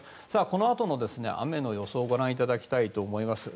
このあとの雨の予想をご覧いただきたいと思います。